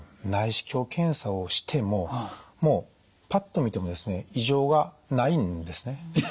内視鏡検査をしてももうパッと見てもですね異常がないんですね。